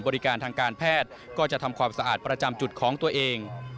ทางการแพทย์ก็จะทำความสะอาดประจำจุดของตัวเอง